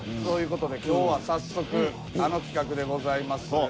そういう事で今日は早速あの企画でございます。